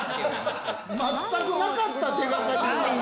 全くなかった、手掛かりに。